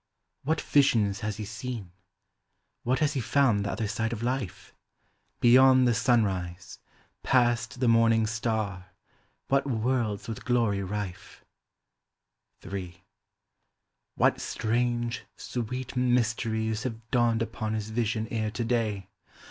What visions has he seen ? What has he found the other side of life ? Beyond the sunrise — past the morning star — What worlds with glory rife, — in. What strange, sweet mysteries Have dawned upon his vision ere to day?